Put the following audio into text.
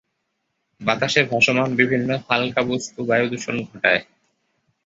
বাতাসে ভাসমান বিভিন্ন হাল্কা বস্তু বায়ুদূষণ ঘটায়।